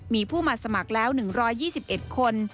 มีผู้มาสมัครแล้ว๑๒๑คน